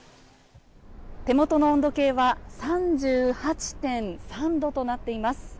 手元の温度計は３８．３度となっています。